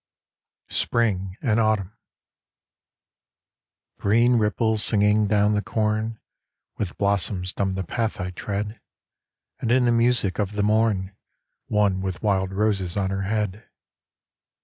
SPRING AND AUTUMN Green ripples singing down the corn, With blossoms dumb the path I tread, And in the music of the mom One with wild roses on her head.